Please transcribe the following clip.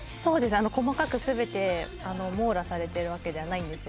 あの細かく全てもうらされてるわけではないんですよ。